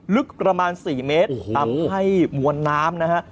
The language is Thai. ลึกประมาณ๔เมตรทำให้มวลน้ำนะฮะ